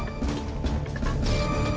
nih ini udah gampang